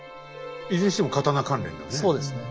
いずれにしても刀関連だね。